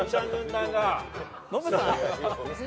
ノブさん。